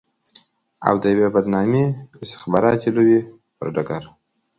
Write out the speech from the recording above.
او د يوې بدنامې استخباراتي لوبې پر ډګر.